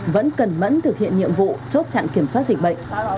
vẫn cẩn mẫn thực hiện nhiệm vụ chốt chặn kiểm soát dịch bệnh